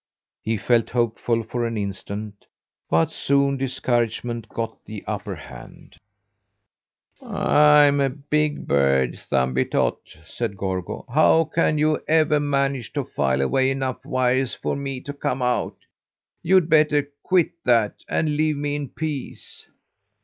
He felt hopeful for an instant, but soon discouragement got the upper hand. "I'm a big bird, Thumbietot," said Gorgo; "how can you ever manage to file away enough wires for me to come out? You'd better quit that, and leave me in peace."